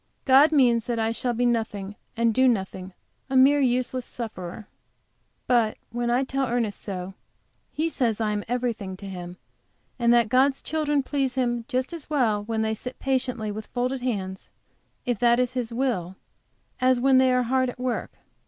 God means that I shall be nothing and do nothing; a mere useless sufferer. But when I tell Ernest so, he says I am everything to him, and that God's children please him just as well when they sit patiently with folded hands, if that is His will, as when they are hard at work.